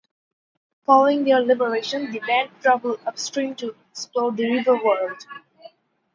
Following their liberation, the band travel upstream to explore the Riverworld.